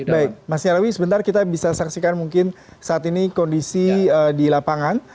baik mas nyarawi sebentar kita bisa saksikan mungkin saat ini kondisi di lapangan